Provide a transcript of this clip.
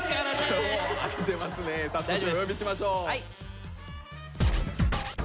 早速お呼びしましょう。